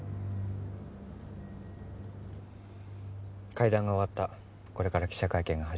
会談が終わったこれから記者会見が始まる。